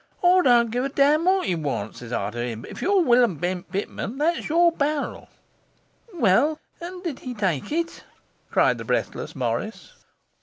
"I don't care a damn what you want," sez I to him, "but if you are Will'm Bent Pitman, there's your barrel."' 'Well, and did he take it?' cried the breathless Morris.